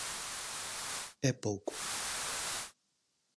É pouco.